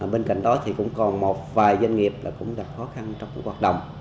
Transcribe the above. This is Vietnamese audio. bên cạnh đó thì cũng còn một vài doanh nghiệp cũng gặp khó khăn trong hoạt động